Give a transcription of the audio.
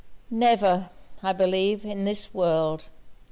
'Never, I believe, in this world!'